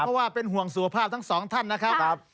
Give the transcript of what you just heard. เพราะว่าเป็นห่วงสุขภาพทั้งสองท่านนะครับ